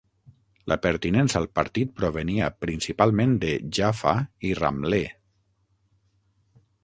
La pertinença al partit provenia principalment de Jaffa i Ramleh.